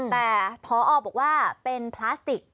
แต่พอบอกว่าเป็นพลาสติก